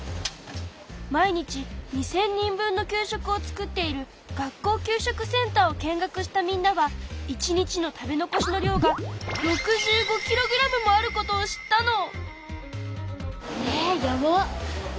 毎日２０００人分の給食を作っている学校給食センターを見学したみんなは１日の食べ残しの量が６５ｋｇもあることを知ったの！